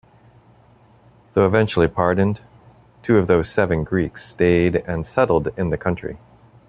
Though eventually pardoned, two of those seven Greeks stayed and settled in the country.